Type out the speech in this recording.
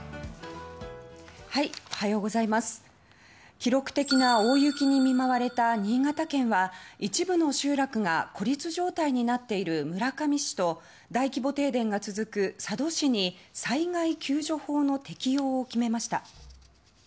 記録的な大雪に見舞われた新潟県は一部の集落が孤立状態になっている村上市と大規模停電が続く佐渡市に災害救助法の適用を決めました。